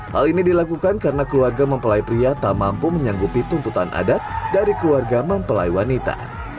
hal ini dilakukan karena keluarga mempelai pria tak mampu menyanggupi tuntutan adat dari keluarga mempelai wanita